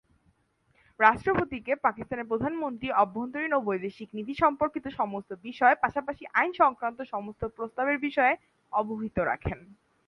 রাষ্ট্রপতিকে পাকিস্তানের প্রধানমন্ত্রী অভ্যন্তরীণ ও বৈদেশিক নীতি সম্পর্কিত সমস্ত বিষয়, পাশাপাশি আইন সংক্রান্ত সমস্ত প্রস্তাবের বিষয়ে অবহিত রাখেন।